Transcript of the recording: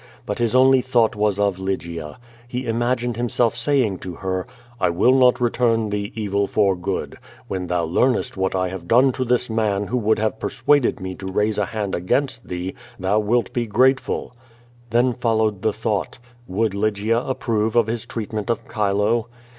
But his only thought was of Lygia. He imagined himself saying to her, "I will not return thee evil for good. When tliou loarnest what I have done to this man who would have |>ersuadcd me to raise a hand against thee, thou wilt bo grateful." Tlion followed the thought. Would Lygia ap prove of his treatment of Chilo?